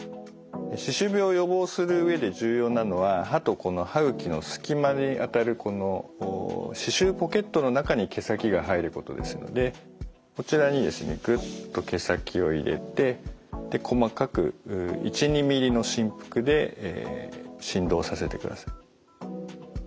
歯周病を予防する上で重要なのは歯とこの歯ぐきのすき間にあたるこの歯周ポケットの中に毛先が入ることですのでこちらにですねグッと毛先を入れて細かく１２ｍｍの振幅で振動させてください。